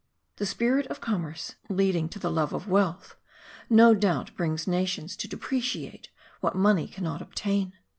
The spirit of commerce, leading to the love of wealth, no doubt brings nations to depreciate what money cannot obtain.